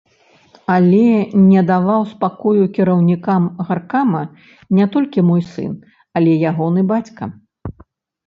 Але не даваў спакою кіраўнікам гаркама не толькі мой сын, але ягоны бацька.